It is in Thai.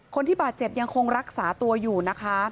คนที่บาดเจ็บยังคงรักษาตัวอยู่นะคะ